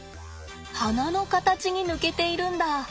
花の形に抜けているんだ。